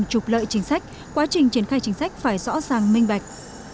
trục lợi chính sách quá trình triển khai chính sách phải rõ ràng minh bạch